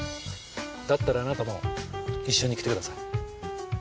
だったらあなたも一緒に来てください。